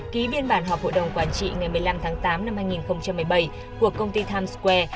ký biên bản họp hội đồng quản trị ngày một mươi năm tháng tám năm hai nghìn một mươi bảy của công ty times square